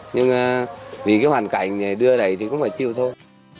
nhưng vì cái hoàn cảnh này đưa đẩy thì cũng phải chịu thôi